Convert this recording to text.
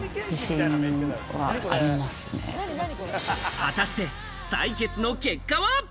果たして採血の結果は？